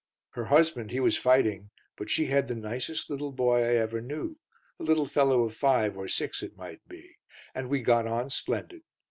Her husband he was fighting; but she had the nicest little boy I ever knew, a little fellow of five, or six it might be, and we got on splendid.